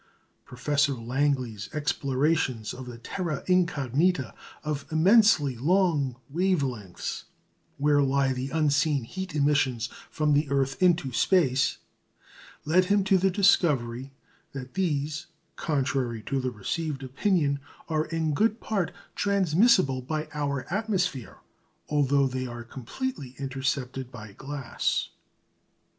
Professor Langley's explorations of the terra incognita of immensely long wave lengths where lie the unseen heat emissions from the earth into space, led him to the discovery that these, contrary to the received opinion, are in good part transmissible by our atmosphere, although they are completely intercepted by glass.